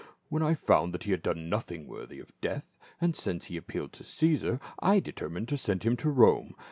When I found that he had done nothing worthy of death, and since he appealed to Caesar, I determined to send him to Rome.